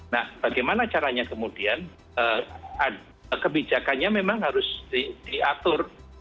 nah bagaimana caranya kemudian kebijakannya memang harus diatur